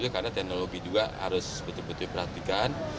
karena teknologi juga harus betul betul perhatikan